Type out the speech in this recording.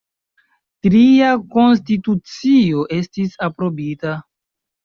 Tria konstitucio estis aprobita.